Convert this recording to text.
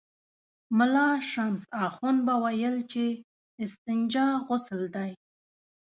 ملا شمس اخند به ویل چې استنجا غسل دی.